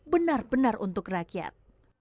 benar benar untuk rakyat